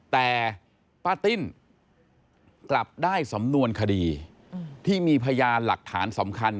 แต่ป้าติ้นกลับได้สำนวนคดีที่มีพยานหลักฐานสำคัญ